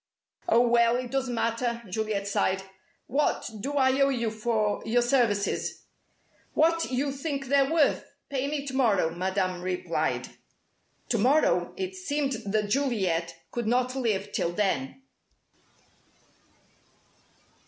"Oh, well, it doesn't matter!" Juliet sighed. "What do I owe you for your services?" "What you think they're worth. Pay me to morrow," Madame replied. To morrow! It seemed that Juliet could not live till then!